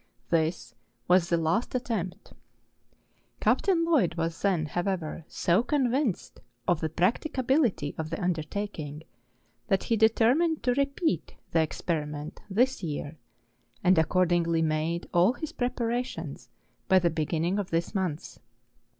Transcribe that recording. This was the last attempt. Captain Lloyd was then, however, so convinced of the practicability of the undertaking, that he deter¬ mined to repeat the experiment this year, and ac¬ cordingly made all his preparations by the beginning of this month.